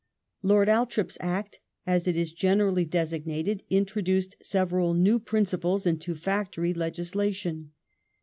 Lord Althorp's Act, as it is generally designated, introduced several new principles into factory legislation.